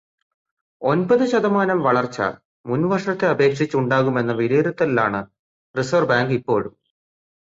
ഒമ്പത് ശതമാനം വളർച്ച മുൻവർഷത്തെ അപേക്ഷിച്ച് ഉണ്ടാകുമെന്ന വിലയിരുത്തലിലാണ് റിസർവ്വ് ബാങ്ക് ഇപ്പോഴും.